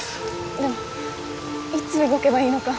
でもいつ動けばいいのか。